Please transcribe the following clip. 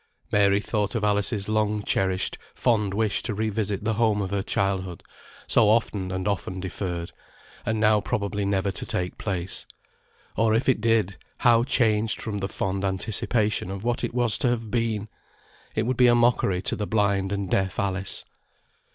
Mary thought of Alice's long cherished, fond wish to revisit the home of her childhood, so often and often deferred, and now probably never to take place. Or if it did, how changed from the fond anticipation of what it was to have been! It would be a mockery to the blind and deaf Alice.